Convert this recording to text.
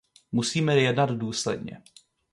Musíme jednat důsledně.